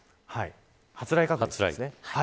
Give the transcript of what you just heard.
発雷確率ですね。